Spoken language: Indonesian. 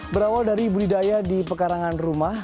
berawal dari budidaya di pekarangan rumah